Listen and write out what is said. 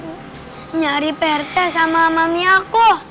nyari prt sama mami aku